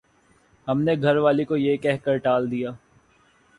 ہم نے گھر والی کو یہ کہہ کر ٹال دیا